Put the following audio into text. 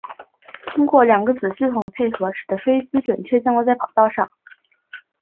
通过两个子系统的配合使得飞机准确降落在跑道上。